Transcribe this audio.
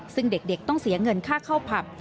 ซึ่งเด็กต้องเสียเงินค่าเข้าผับ